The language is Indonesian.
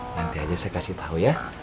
nanti aja saya kasih tahu ya